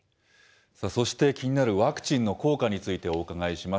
そして気になるワクチンの効果についてお伺いします。